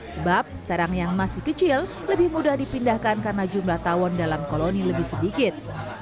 sebab serang yang masih kecil lebih mudah dipindahkan karena jumlah tawon dalam koloni lebih sedikit